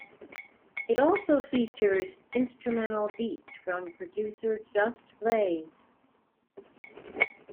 It also features instrumental beats from producer Just Blaze.